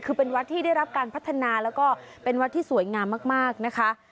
คือเป็นวัดที่ได้รับการพัฒนาแล้วก็เป็นวัดที่สวยงามมากนะคะ